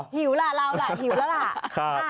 หิวล่ะเราล่ะหิวแล้วล่ะ